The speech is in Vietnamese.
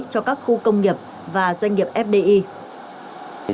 cho các khu công nghiệp và doanh nghiệp fdi